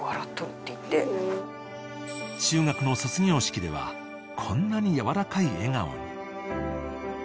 ［中学の卒業式ではこんなに柔らかい笑顔に］